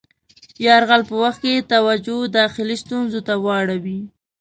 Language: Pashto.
یرغل په وخت کې یې توجه داخلي ستونزو ته واړوي.